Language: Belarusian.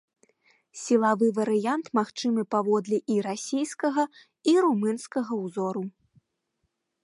Сілавы варыянт магчымы паводле і расійскага, і румынскага ўзораў.